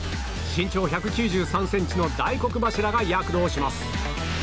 身長１９３ｃｍの大黒柱が躍動します。